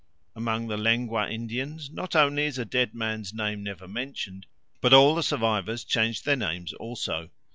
Among the Lengua Indians not only is a dead man's name never mentioned, but all the survivors change their names also.